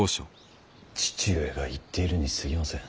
父上が言っているにすぎません。